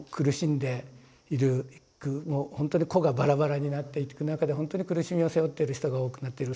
もうほんとに個がバラバラになっていく中でほんとに苦しみを背負っている人が多くなってる。